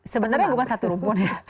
sebenarnya bukan satu rumpun ya